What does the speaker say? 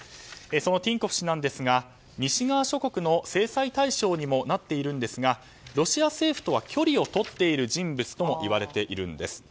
そのティンコフ氏なんですが西側諸国の制裁対象にもなっていますがロシア政府とは距離をとっている人物ともいわれているんです。